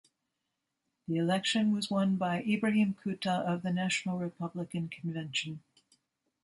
The election was won by Ibrahim Kuta of the National Republican Convention.